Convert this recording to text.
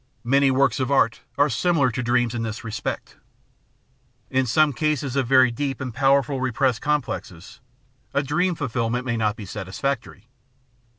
Many works of art are similar to dreams in this re spect. In some cases of very deep and powerful repressed com plexes, a dream fulfilment may not be satisfactory.